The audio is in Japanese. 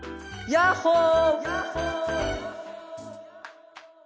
ヤッホー！